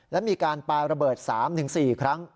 และมีการปาระเบิด๓๔ครั้ง